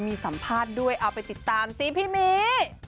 มีสัมภาษณ์ด้วยเอาไปติดตามซิพี่มี